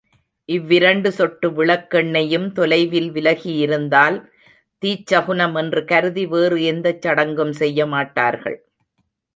இவ்விரண்டு சொட்டு விளக்கெண்ணெயும் தொலைவில் விலகியிருந்தால், தீச்சகுனம் என்று கருதி, வேறு எந்தச் சடங்கும் செய்யமாட்டார்கள்.